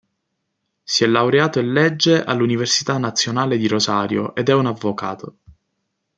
Si è laureato in legge all'Università nazionale di Rosario ed è un avvocato.